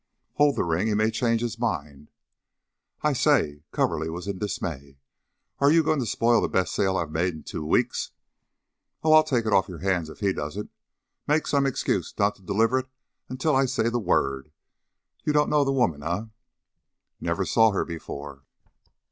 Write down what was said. "Hold the ring. He may change his mind." "I say!" Coverly was in dismay. "Are you going to spoil the best sale I've made in two weeks?" "Oh, I'll take it off your hands if he doesn't. Make some excuse not to deliver it until I say the word. You don't know the woman, eh?" "Never saw her before."